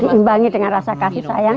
diimbangi dengan rasa kasih sayang